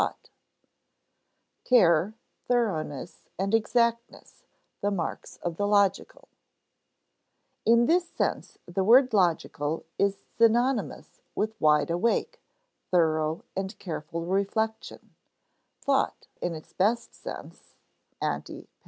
[Sidenote: Care, thoroughness, and exactness the marks of the logical] In this sense, the word logical is synonymous with wide awake, thorough, and careful reflection thought in its best sense (ante, p.